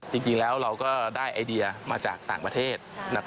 จริงแล้วเราก็ได้ไอเดียมาจากต่างประเทศ